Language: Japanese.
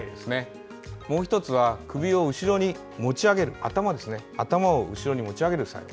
もう１つは首を後ろに持ち上げる頭を後ろに持ち上げる作用。